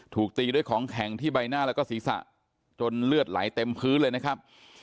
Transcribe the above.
ถูกตีด้วยของแข็งที่ใบหน้าแล้วก็ศีรษะจนเลือดไหลเต็มพื้นเลยนะครับ